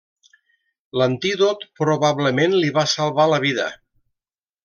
L'antídot probablement li va salvar la vida.